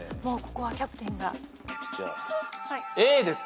ここはキャプテンが。